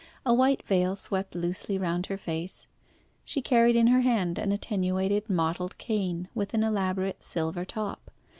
A white veil swept loosely round her face; she carried in her hand an attenuated mottled cane, with an elaborate silver top.